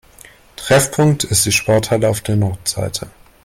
Treffpunkt ist die Sporthalle auf der Nordseite.